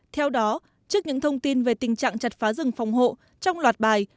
theo đó trước những thông tin về tình trạng chặt phá rừng phòng hộ trong loạt bài